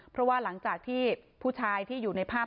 เพราะว่าหลังจากที่ผู้ชายที่อยู่ในภาพ